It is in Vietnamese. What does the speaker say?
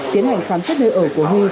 tiến hành khám sát nơi ở của huy